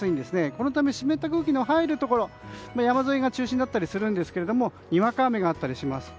このため湿った空気の入るところ山沿いが中心だったりするんですけれどもにわか雨があったりします。